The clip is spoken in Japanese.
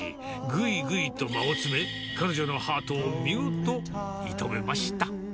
ぐいぐいと間を詰め、彼女のハートを見事、射止めました。